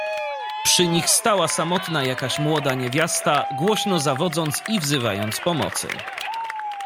"Przy nich stała samotna jakaś młoda niewiasta, głośno zawodząc i wzywając pomocy."